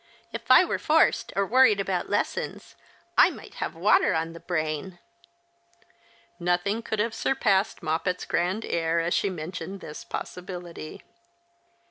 If I were forced or worried about lessons I might have water on the brain !" Nothing could have surpassed Moppet's grand air as she mentioned this jjossibility.